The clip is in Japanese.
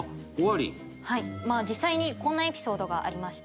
まあ実際にこんなエピソードがありまして。